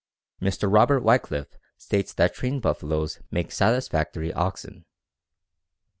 Mr. Robert Wickliffe states that trained buffaloes make satisfactory oxen.